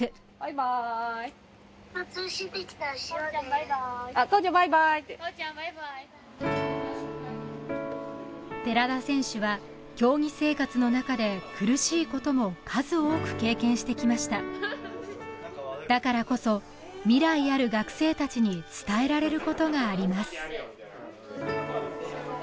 バイバイ寺田選手は競技生活の中で苦しいことも数多く経験してきましただからこそ未来ある学生たちに伝えられることがあります